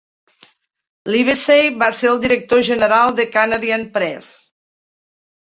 Livesay va ser el director general de Canadian Press.